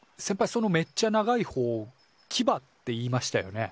そのめっちゃ長いほうキバって言いましたよね。